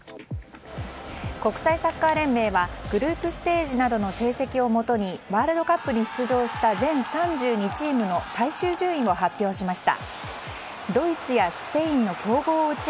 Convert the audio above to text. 国際サッカー連盟はグループステージなどの成績をもとにワールドカップに出場した全３２チームの最終順位を発表しました。